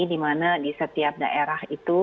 di mana di setiap daerah itu